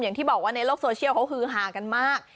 อย่างที่บอกว่าในโลกโซเชียลเขาฮือหากันมาก